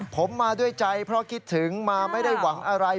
ผมมาด้วยใจเพราะคิดถึงมาไม่ได้หวังอะไร